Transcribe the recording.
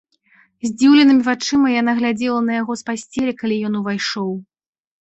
Здзіўленымі вачыма яна глядзела на яго з пасцелі, калі ён увайшоў.